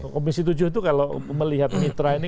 komisi tujuh itu kalau melihat mitra ini